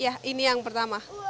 ya ini yang pertama